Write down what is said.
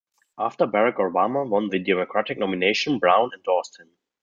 After Barack Obama won the Democratic nomination, Browne endorsed him.